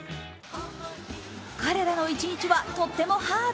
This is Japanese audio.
彼らの一日はとってもハード。